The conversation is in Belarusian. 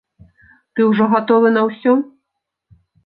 Ты ўжо гатовы на ўсё?